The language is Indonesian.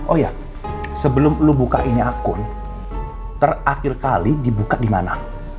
oh ya sebelum lu buka ini akun terakhir kali dibuka di mana